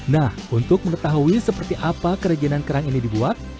nah untuk mengetahui seperti apa kerajinan kerang ini dibuat